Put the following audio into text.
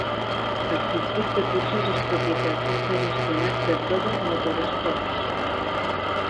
El circuit de curses és propietat i està gestionat per Dover Motorsports.